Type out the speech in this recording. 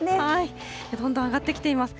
どんどん上がってきています。